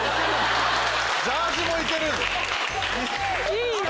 いいよ！